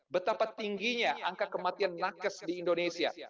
betapa tingginya angka kematian nakes di indonesia